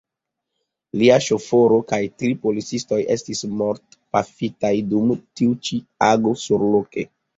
Lia ŝoforo kaj tri policistoj estis mortpafitaj dum tiu ĉi ago surloke.